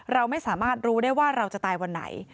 เราไม่สามารถรู้ได้ว่าเราจะตายวันไหน